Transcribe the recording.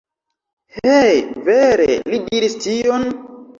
Hej? Vere? Li diris tion?